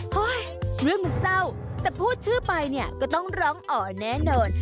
เฮ้ยเรื่องมันเศร้าแต่พูดชื่อไปเนี่ยก็ต้องร้องอ๋อแน่นอน